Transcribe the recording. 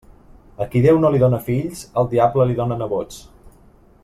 A qui Déu no li dóna fills, el diable li dóna nebots.